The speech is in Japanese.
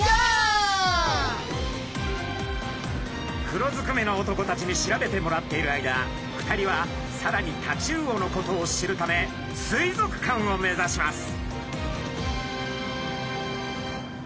黒ずくめの男たちに調べてもらっている間２人はさらにタチウオのことを知るため水族館を目指します。